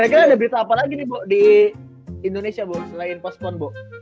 kira kira ada berita apa lagi nih di indonesia selain pospon